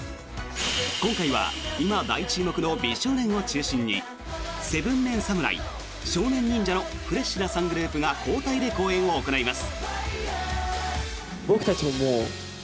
今回は今、大注目の美少年を中心に７ＭＥＮ侍、少年忍者のフレッシュな３グループが交代で公演を行います。